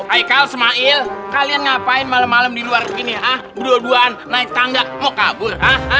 hai kau semail kalian ngapain malam malam di luar sini hah berduaan naik tangga mau kabur